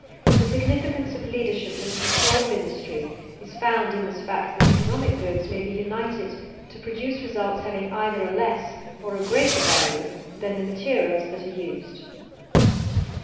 The significance of leadership and control of industry is found in this fact that economic goods may be united to produce results having either a less or a greater value than the materials that are used.